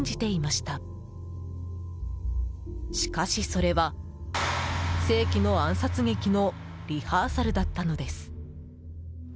しかし、それは世紀の暗殺劇のリハーサルだったのです。